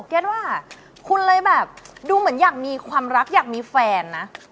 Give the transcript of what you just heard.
เก็ตว่าคุณเลยแบบดูเหมือนอยากมีความรักอยากมีแฟนนะ